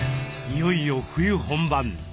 いよいよ冬本番。